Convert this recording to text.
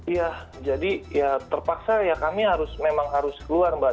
ya jadi ya terpaksa ya kami memang harus keluar mbak